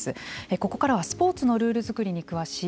ここからはスポーツのルール作りに詳しい